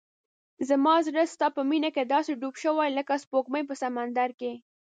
زما زړه ستا په مینه کې داسې ډوب شوی لکه سپوږمۍ په سمندر کې.